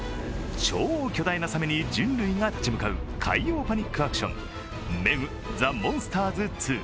超巨大なさめに人類が立ち向かう海洋パニックアクション「ＭＥＧザ・モンスターズ２」。